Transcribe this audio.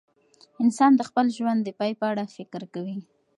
انسان د خپل ژوند د پای په اړه فکر کوي.